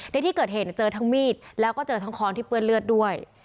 ในที่เกิดเหตุเจอทั้งมีดแล้วก็เจอทั้งค้อนที่เปื้อนเลือดด้วย